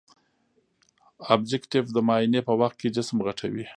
ابجکتیف د معاینې په وخت کې جسم غټوي.